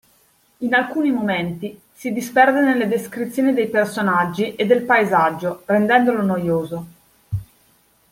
In alcuni momenti si disperde nelle descrizioni dei personaggi e del paesaggio rendendolo noioso.